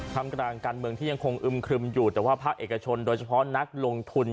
ทำกลางการเมืองที่ยังคงอึมครึมอยู่แต่ว่าภาคเอกชนโดยเฉพาะนักลงทุน